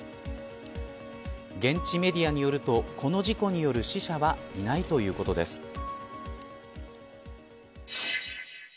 現地メディアによるとこの事故による死者はいないということです。